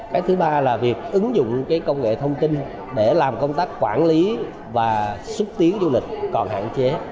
cái thứ ba là việc ứng dụng công nghệ thông tin để làm công tác quản lý và xúc tiến du lịch còn hạn chế